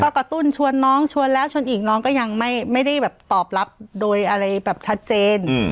กระตุ้นชวนน้องชวนแล้วชวนอีกน้องก็ยังไม่ได้แบบตอบรับโดยอะไรแบบชัดเจน